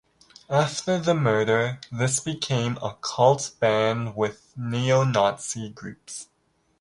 After the murder, this became a cult band with Neo-Nazi groups.